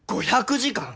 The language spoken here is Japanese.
５００時間！？